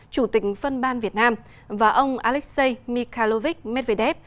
chủ tịch phân ban việt nam và ông alexei mikhalovich medvedev